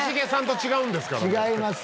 違います。